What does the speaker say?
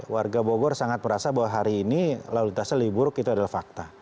warga bogor sangat merasa bahwa hari ini lalu lintasnya lebih buruk itu adalah fakta